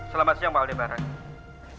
selamat siang pak